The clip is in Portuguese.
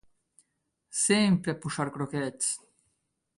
Sempre a puxar croquetes!